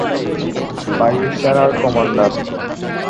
বায়ু সেনার কমান্ডার।